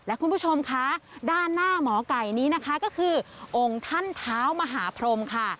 คุณผู้ชมคะด้านหน้าหมอไก่นี้นะคะก็คือองค์ท่านเท้ามหาพรมค่ะ